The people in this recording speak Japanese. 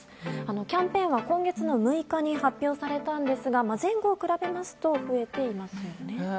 キャンペーンは今月６日に発表されたんですが前後を比べますと増えていますよね。